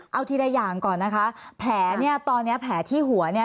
เอาทีละอย่างก่อนนะคะแผลเนี่ยตอนเนี้ยแผลที่หัวเนี่ย